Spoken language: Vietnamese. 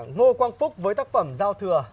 ngô quang phúc với tác phẩm giao thừa